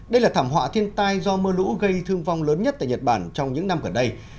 đây là thảm họa thiên tai do mưa lũ gây thương vong lớn nhất tại nhật bản trong những năm gần đây